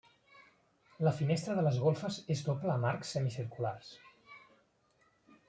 La finestra de les golfes és doble amb arcs semicirculars.